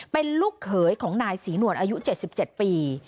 เป็นลูกเขยของนายศรีนวลอายุ๗๗ปี